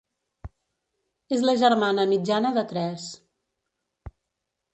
És la germana mitjana de tres.